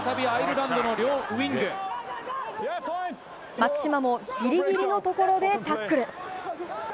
松島もギリギリのところでタックル。